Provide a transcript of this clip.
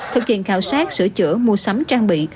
thực hiện khảo sát sửa chữa mua sắm trang bị